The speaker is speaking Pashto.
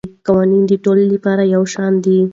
قوانین د ټولو لپاره یو شان دي.